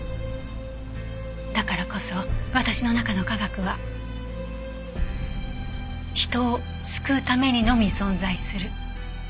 だからこそ私の中の科学は人を救うためにのみ存在する。